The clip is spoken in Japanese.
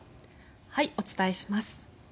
お伝えします。